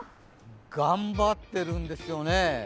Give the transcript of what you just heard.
頑張ってるんですよね。